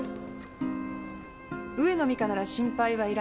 「上野美香なら心配はいらない。